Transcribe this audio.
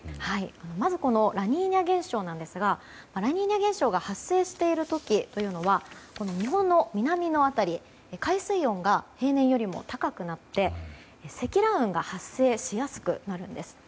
まず、ラニーニャ現象なんですがラニーニャ現象が発生している時は日本の南の辺り海水温が平年より高くなって、積乱雲が発生しやすくなるんです。